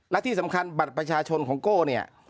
และที่สำคัญบัตรประชาชนของโก้เนี่ย